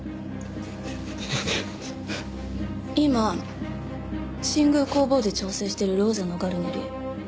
今新宮工房で調整してるローゼのガルネリ。